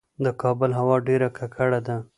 د کابل هوا ډیره ککړه ده